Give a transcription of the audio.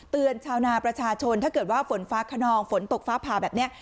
ชาวนาประชาชนถ้าเกิดว่าฝนฟ้าขนองฝนตกฟ้าผ่าแบบนี้